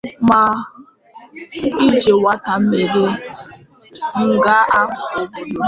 iji nweta mmeri n'agha ahụ ọ na-ebu megide ya bụ ọrịa.